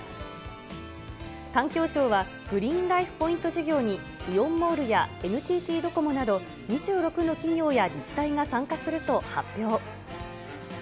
環境省は、グリーンライフ・ポイント事業にイオンモールやＮＴＴドコモなど、２６の企業や自治体が参加すると発表。